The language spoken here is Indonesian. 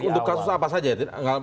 itu untuk kasus apa saja